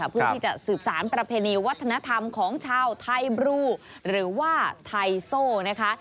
เพื่อที่จะสืบสารประเพณีวัฒนธรรมของชาวไทยบรูหรือว่าไทโซ่นะคะ